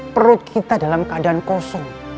perut kita dalam keadaan kosong